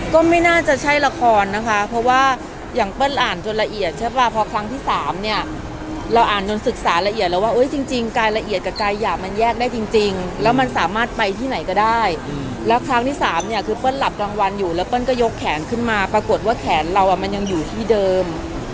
ก็ไม่น่าจะใช่ละครนะคะเพราะว่าอย่างเปิ้ลอ่านจนละเอียดใช่ป่ะพอครั้งที่สามเนี่ยเราอ่านจนศึกษาละเอียดแล้วว่าจริงรายละเอียดกับกายหยาบมันแยกได้จริงแล้วมันสามารถไปที่ไหนก็ได้แล้วครั้งที่สามเนี่ยคือเปิ้ลหลับกลางวันอยู่แล้วเปิ้ลก็ยกแขนขึ้นมาปรากฏว่าแขนเราอ่ะมันยังอยู่ที่เดิม